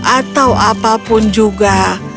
atau apapun juga